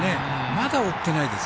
まだ追ってないです。